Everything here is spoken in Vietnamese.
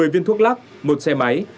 một mươi viên thuốc lắc một xe máy